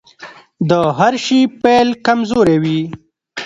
د هر شي پيل کمزوری وي .